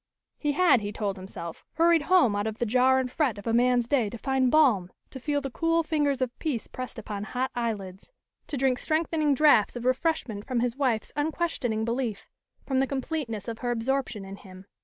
He had, he told himself, hurried home out of the jar and fret of a man's day to find balm, to feel the cool fingers of peace pressed upon hot eyelids, to drink strengthening draughts of refreshment from his wife's unquestioning belief, from the completeness of her absorption in him.